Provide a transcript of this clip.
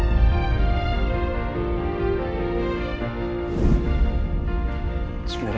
sebenernya saya cinta sama kamu semua